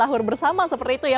sahur bersama seperti itu ya